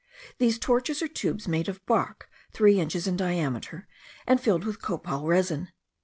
These torches are tubes made of bark, three inches in diameter, and filled with copal resin.